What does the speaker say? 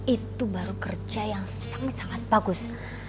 itu baru kerja yang sangat sangat bagus